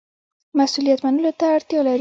مسوولیت منلو ته اړتیا لري